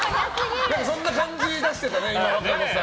そんな感じ出してたね。